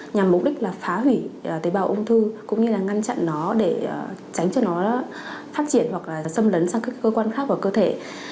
nhằm mục đích phá hủy tế bào ung thư cũng như ngăn chặn nó để tránh cho nó phát triển hoặc xâm lấn sang các cơ quan khác và cơ thể